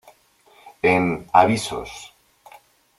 En "Avisos.